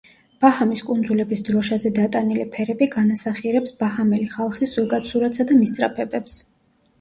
ბაჰამის კუნძულების დროშაზე დატანილი ფერები განასახიერებს ბაჰამელი ხალხის ზოგად სურათსა და მისწრაფებებს.